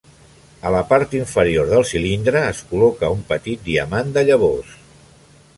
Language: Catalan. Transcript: A la part inferior del cilindre es col·loca un petit diamant de llavors.